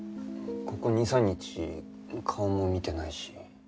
ここ２３日顔も見てないし。